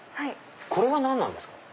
これは何なんですか？